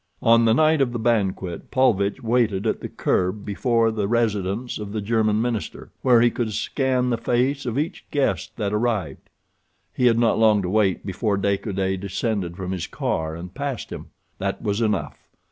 On the night of the banquet Paulvitch waited at the curb before the residence of the German minister, where he could scan the face of each guest that arrived. He had not long to wait before De Coude descended from his car and passed him. That was enough.